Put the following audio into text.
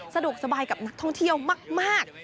สะดวกสบายกับนักท่องเที่ยวมาก